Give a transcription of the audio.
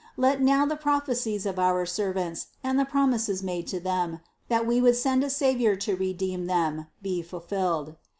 Let now the prophecies of our servants and the promises made to them, that We would send a Savior to redeem them, be fulfilled.